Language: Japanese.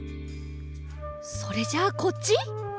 それじゃあこっち？